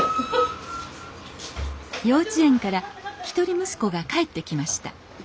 幼稚園から一人息子が帰ってきました